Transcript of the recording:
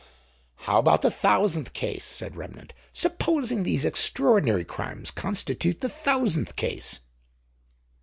"How about the thousandth case?" said Remnant. "Supposing these extraordinary crimes constitute the thousandth case?"